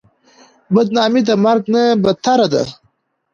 بدنامي د مرګ نه بدتره ده.